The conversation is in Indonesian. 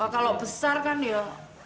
kalau besar kan ya